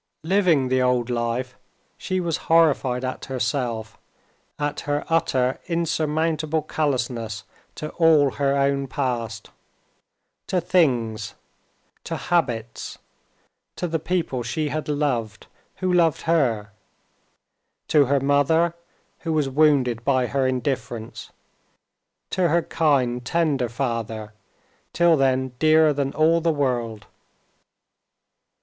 Living the old life, she was horrified at herself, at her utter insurmountable callousness to all her own past, to things, to habits, to the people she had loved, who loved her—to her mother, who was wounded by her indifference, to her kind, tender father, till then dearer than all the world.